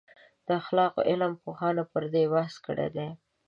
د اخلاقو علم پوهانو پر دې بحث کړی دی.